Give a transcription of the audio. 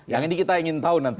yang ini kita ingin tahu nanti